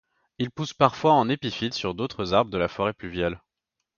Il pousse parfois en épiphyte sur d'autres arbres de la forêt pluviale.